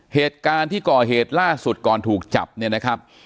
เหตุการณ์ที่ก่อเหตุล่าสุดก่อนถูกจับเนี่ยนะครับ